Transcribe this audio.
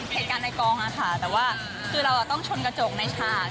เหตุการณ์ในกองค่ะแต่ว่าคือเราต้องชนกระจกในฉาก